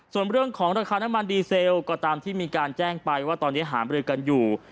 ส่วนเรื่องของราคาน้ำมันดีเซลก็ตามที่มีการแจ้งไปว่าตอนนี้หามรือกันอยู่